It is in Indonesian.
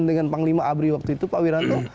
dengan panglima abri waktu itu pak wiranto